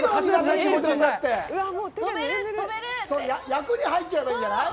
役に入っちゃえばいいんじゃない？